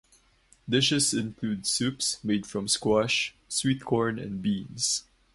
Dishes include soups made from squash, sweet corn and beans.